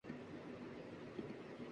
جسے صہیونیت کہا جا تا ہے۔